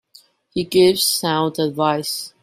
He gives sound advice.